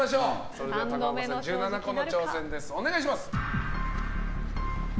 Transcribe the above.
それでは高岡さん１７個の挑戦です。